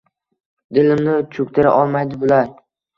Dilimni chuktira olmaydi bular